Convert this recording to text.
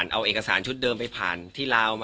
เอาเอกสารชุดเดิมไปผ่านที่ลาวมา